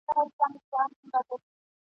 د زړه په تل کي یادولای مي سې !.